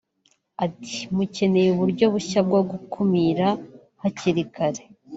Ati"Mukeneye uburyo bushya bwo gukumira hakiri kare